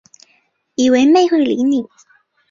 以为妹会理你